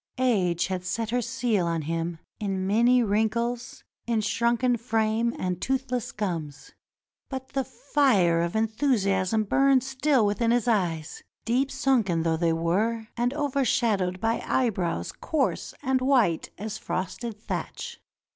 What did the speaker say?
Age had set her seal on him in many wrinkles, in shrunken frame and toothless gums; but the fire of enthusiasm burned still within his eyes, deep sunken though they were and overshadowed by eyebrows coarse and white as frosted thatch.